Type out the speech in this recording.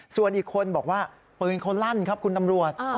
ส่วนอีกคนบอกว่าปืนเขาลั่นครับคุณตำรวจ